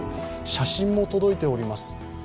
写真も届いております。